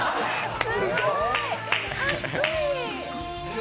すごい！